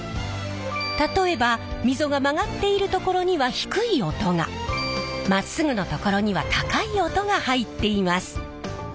例えば溝が曲がっている所には低い音がまっすぐの所には高い音が入っています。